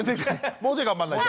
もうちょい頑張んないと。